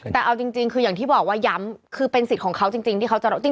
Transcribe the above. แต่เอาจริงคืออย่างที่บอกว่าย้ำคือเป็นสิทธิ์ของเขาจริงที่เขาจะ